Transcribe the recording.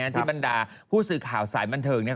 ที่บรรดาผู้สื่อข่าวสายบันเทิง